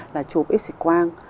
là chụp xịt quang